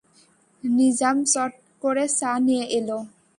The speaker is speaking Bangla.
নিজাম চট করে চা নিয়ে এল।